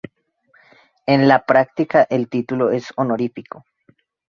En la práctica, el título es honorífico.